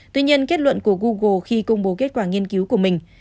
tuy nhiên kết luận của google khi công bố kết quả nghiên cứu của mình